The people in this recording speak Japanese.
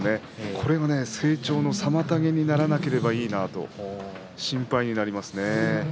これが成長の妨げにならなければいいなと心配になりますね。